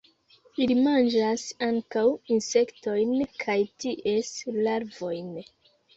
Ili manĝas ankaŭ insektojn kaj ties larvojn.